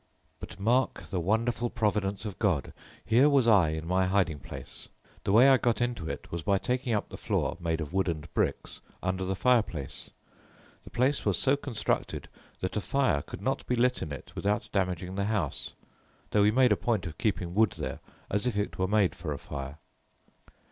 "But mark the wonderful Providence of God. Here was I in my hiding place. The way I got into it was by taking up the floor, made of wood and bricks, under the fireplace. The place was so constructed that a fire could not be lit in it without damaging the house; though we made a point of keeping wood there, as if it were meant for a fire.